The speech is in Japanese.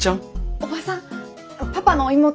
叔母さんパパの妹。